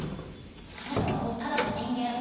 あなたはもうただの人間。